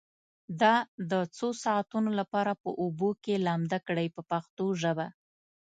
دا د څو ساعتونو لپاره په اوبو کې لامده کړئ په پښتو ژبه.